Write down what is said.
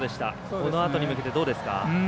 このあとに向けてどうですか？